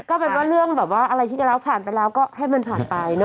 ก็เรื่องเรื่องอะไรที่เราพาไปแล้วก็ให้มันผ่านไป